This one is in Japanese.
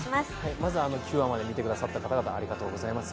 まず９話まで見てくださった方々ありがとうございます。